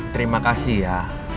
terima kasih ya